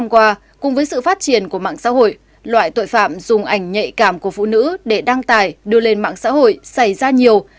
qua cùng với sự phát triển của mạng xã hội loại tội phạm dùng ảnh nhạy cảm của phụ nữ để đăng tài đưa lên mạng xã hội xảy ra nhiều